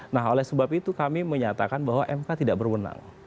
nah oleh sebab itu kami menyatakan bahwa mk tidak berwenang